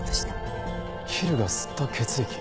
ヒルが吸った血液？